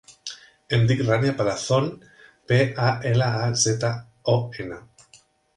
Em dic Rània Palazon: pe, a, ela, a, zeta, o, ena.